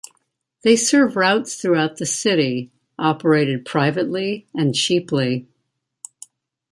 They serve routes throughout the city, operated privately and cheaply.